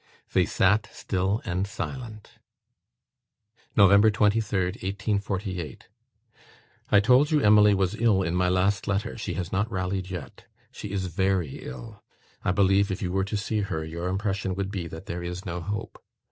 They sat, still and silent. "Nov. 23rd, 1848. "I told you Emily was ill, in my last letter. She has not rallied yet. She is VERY ill. I believe, if you were to see her, your impression would be that there is no hope.